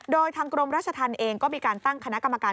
โดยทางกรมราชธรรมเองก็มีการตั้งคณะกรรมการ